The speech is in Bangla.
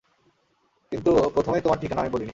কিন্তু প্রথমেই তোমার ঠিকানা আমি বলিনি।